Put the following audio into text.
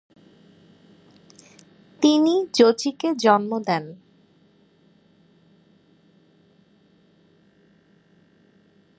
তিনি জোচিকে জন্ম দেন।